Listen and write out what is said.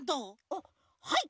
あっはい